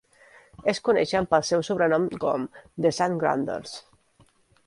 Es coneixen pel seu sobrenom com "the Sandgrounders".